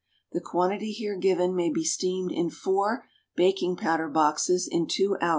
The quantity here given may be steamed in four baking powder boxes in two hours.